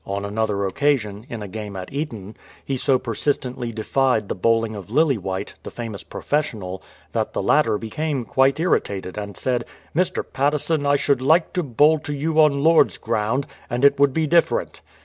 On another occasion, in a game at Eton, he so persistently defied the bowling of Lilly white, the famous professional, that the latter became quite irritated and said, " Mr. Patteson, I should like to bowl to you on Lord's ground, and it would be dilFerent.""